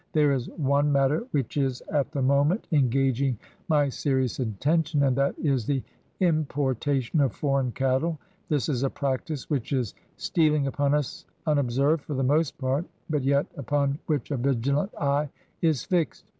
There is one matter which is at the moment engaging my serious attention — and that is the importa tion of foreign cattle. This is a practice which is steal ing upon us unobserved for the most part, but yet upon which a vigilant eye is fixed.